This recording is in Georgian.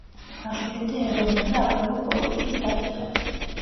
აშუქებდა ეროვნულ და აგრარულ პოლიტიკის საკითხებს.